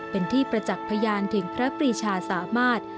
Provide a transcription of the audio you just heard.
เป็นที่ประจักษ์พยานถึงพระปรีชาสามารถ